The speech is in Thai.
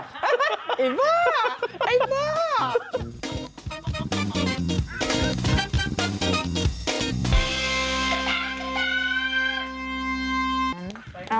ไอ้บ้าไอ้บ้า